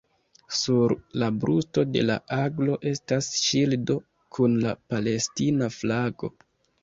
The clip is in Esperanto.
Sur la brusto de la aglo estas ŝildo kun la palestina flago.